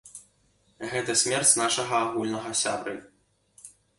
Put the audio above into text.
Гэта смерць нашага агульнага сябры.